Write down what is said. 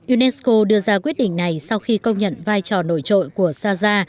unesco đưa ra quyết định này sau khi công nhận vai trò nổi trội của saza